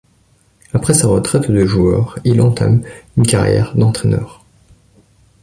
Après sa retraite de joueur, il entame une carrière d'entraîneur.